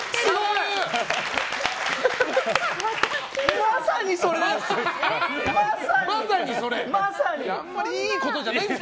まさにそれです！